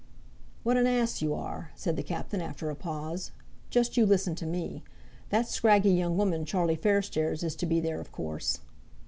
"What an ass you are," said the Captain after a pause; "just you listen to me. That scraggy young woman, Charlie Fairstairs, is to be there of course."